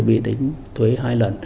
bị tính thuế hai lần